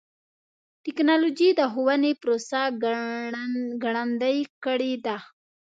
ټکنالوجي د ښوونې پروسه ګړندۍ کړې ده.